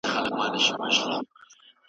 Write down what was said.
یوازې هغه څه مه منه چي لیکل سوي وي.